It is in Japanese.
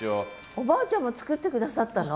おばあちゃんも作って下さったの？